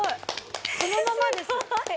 そのままです。